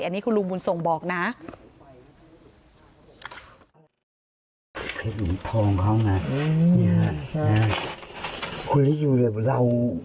อันนี้คุณลุงบุญส่งบอกนะ